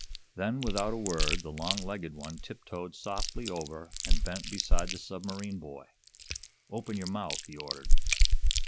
Then, without a word, the long legged one tip toed softly over and bent beside the submarine boy. "Open your mouth," he ordered.